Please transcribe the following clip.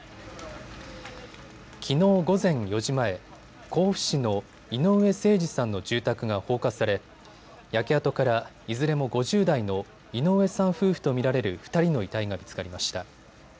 きのう午前４時前、甲府市の井上盛司さんの住宅が放火され焼け跡からいずれも５０代の井上さん夫婦と見られる２人の遺体が見つかりました。